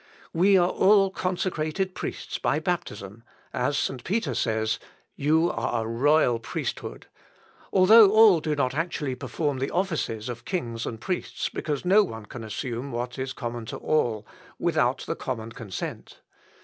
We are all consecrated priests by baptism, as St. Peter says, 'You are a royal priesthood;' although all do not actually perform the offices of kings and priests, because no one can assume what is common to all, without the common consent.